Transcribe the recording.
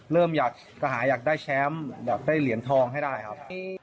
เริ่มอยากกระหาอยากได้แชมป์อยากได้เหรียญทองให้ได้ครับ